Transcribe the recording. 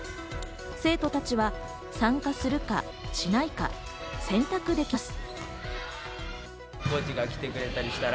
生徒たちは参加するかしないか、選択できます。